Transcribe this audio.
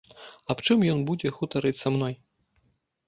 Аб чым ён будзе гутарыць са мной?